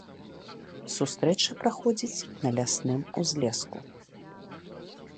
Сустрэча праходзіць на лясным узлеску.